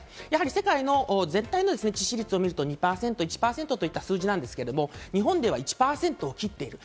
世界の全体の致死率を見ると２％、１％といった数字なんですが、日本では１％を切っている。